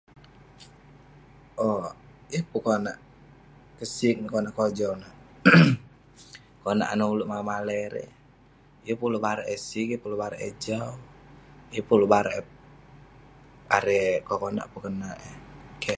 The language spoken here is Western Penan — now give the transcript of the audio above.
Owk yeng pun konak kesik neh, konak kojau neh..konak anah ulouk malai malai erei..yeng peh ulouk barak eh sik, yeng peh ulouk barak eh jau..yeng peh ulouk barak eh..erei..konak konak peh kenat eh, keh..